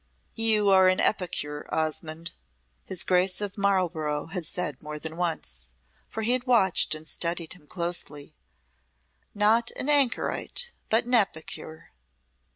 "You are an epicure, Osmonde," his Grace of Marlborough said more than once, for he had watched and studied him closely. "Not an anchorite but an epicure."